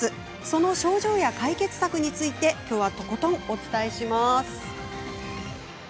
その症状や解決策についてとことんお伝えします。